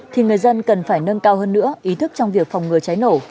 thì người dân cần phải nâng cao hơn nữa ý thức trong việc phòng ngừa cháy nổ